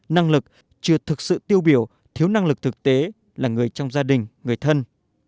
năng lực chưa thực sự tiêu biểu thiếu năng lực thực tế là người trong gia đình người thân